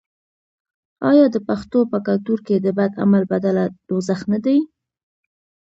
آیا د پښتنو په کلتور کې د بد عمل بدله دوزخ نه دی؟